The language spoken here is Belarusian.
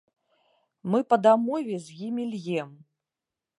Мы па дамове з імі льем.